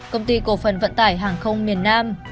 công ty cổ phần vận tải hàng không miền nam